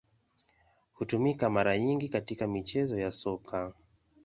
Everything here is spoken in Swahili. Hutumika mara nyingi katika michezo ya Soka.